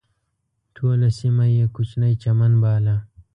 ټوله سیمه یې کوچنی چمن باله.